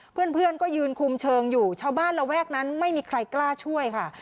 เพื่อนก็ยืนคุมเชิงอยู่ชาวบ้านระแวกนั้นไม่มีใครกล้าช่วยค่ะ